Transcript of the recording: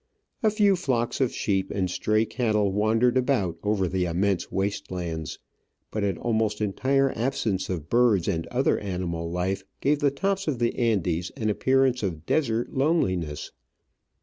A few flocks of sheep and stray cattle wandered about over the immense waste lands, but an almost entire absence of birds and other animal life gave the tops of the Andes an appearance of desert loneliness.